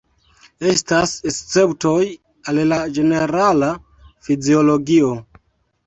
Estas esceptoj al la ĝenerala fiziologio.